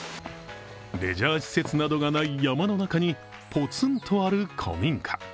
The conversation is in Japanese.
レジャー施設などがない山の中にぽつんとある古民家。